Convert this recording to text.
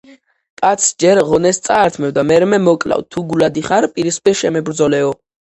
კაცს ჯერ ღონეს წაართმევ და მერმე მოკლავ; თუ გულადი ხარ, პირისპირ შემებრძოლეო!